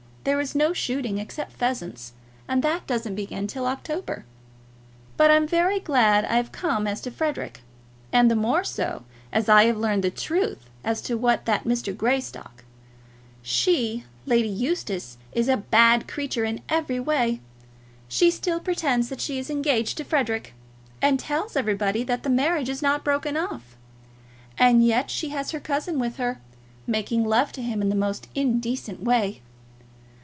There is no shooting, except pheasants, and that doesn't begin till October. But I'm very glad I've come as to Frederic, and the more so, as I have learned the truth as to that Mr. Greystock. She, Lady Eustace, is a bad creature in every way. She still pretends that she is engaged to Frederic, and tells everybody that the marriage is not broken off, and yet she has her cousin with her, making love to him in the most indecent way.